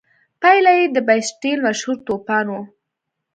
پایله یې د باسټیل مشهور توپان و.